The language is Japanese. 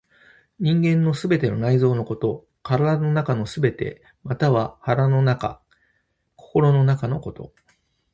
人間の全ての内臓のこと、体の中すべて、または腹の中、心の中のこと。